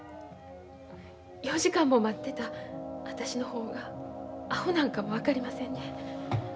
４時間も待ってた私の方がアホなんかも分かりませんね。